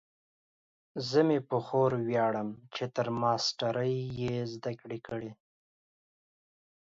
زه مې په خور ویاړم چې تر ماسټرۍ یې زده کړې کړي